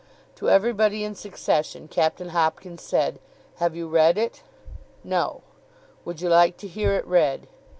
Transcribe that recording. To everybody in succession, Captain Hopkins said: 'Have you read it?' 'No.' 'Would you like to hear it read?